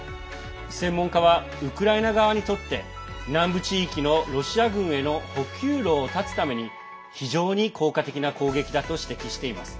専門家はウクライナ側にとって南部地域のロシア軍への補給路を断つために非常に効果的な攻撃だと指摘しています。